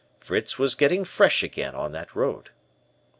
Fritz was getting fresh again on that road.